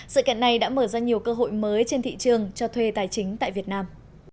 sự kiện này đã mở ra nhiều cơ hội mới trên thị trường cho thuê tài chính tại việt nam